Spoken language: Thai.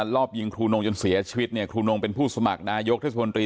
รอบยิงครูนงจนเสียชีวิตเนี่ยครูนงเป็นผู้สมัครนายกเทศมนตรี